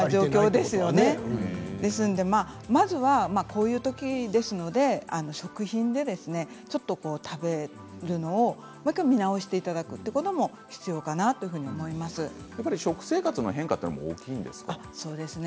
ですのでまずはこういうときですので食品ちょっと食べるのをもう１回見直していただくというのもやっぱり食生活の変化というのも大きいんですか？